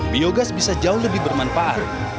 biogas bisa jauh lebih bermanfaat